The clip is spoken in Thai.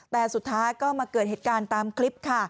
แต่สุดท้ายก็มาเกิดเหตุการณ์ตามคลิปค่ะ